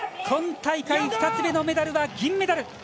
今大会、２つ目のメダルは銀メダル。